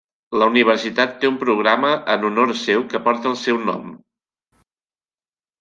La Universitat té un programa en honor seu que porta el seu nom.